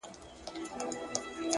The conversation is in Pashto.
هره ستونزه د ودې بلنه ده,